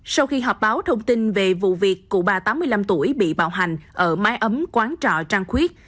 sau khi họp báo thông tin về vụ việc cụ bà tám mươi năm tuổi bị bạo hành ở mái ấm quán trọ trang khuyết